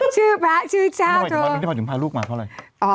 ชื่อพระชื่อเจ้านี่มันมาถึงพาลูกมาเท่าไหร่